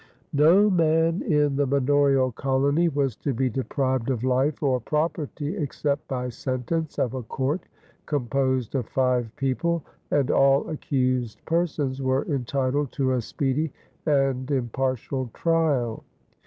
No man in the manorial colony was to be deprived of life or property except by sentence of a court composed of five people, and all accused persons were entitled to a speedy and impartial trial.